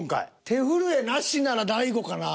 手震えなしなら大悟かな？